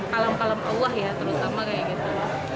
kalem kalem allah ya terutama kayak gitu